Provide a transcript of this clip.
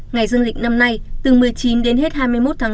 ngày dương lịch năm nay từ một mươi chín đến hết hai mươi một tháng năm